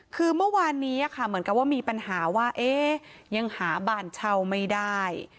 คือเมื่อวานนี้ค่ะเหมือนกับว่ามีปัญหาว่ายังหาบ้านเช่าไม่ได้